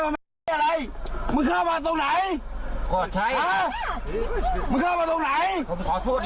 มึงเข้ามาตรงไหน